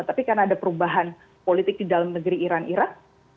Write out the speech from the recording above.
tapi karena ada perubahan politik di dalam negeri iran iran